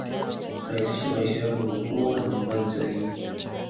Rahisisha maisha yako kwa kuwa na mavazi sahihi